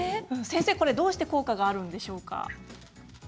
どうして効果があるんでしょうか。